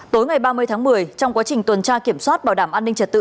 tối ngày ba mươi tháng một mươi trong quá trình tuần tra kiểm soát bảo đảm an ninh trật tự